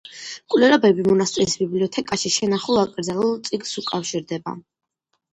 მკვლელობები მონასტრის ბიბლიოთეკაში შენახულ აკრძალულ წიგნს უკავშირდება.